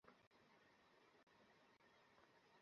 ইউহাওয়া ভীতসন্ত্রস্ত হয়ে নিচের দিকে চলে।